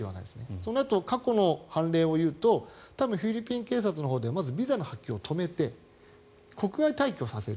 そうなると過去の判例を言うと多分、フィリピン警察のほうでまずビザの発給を止めて国外退去させる。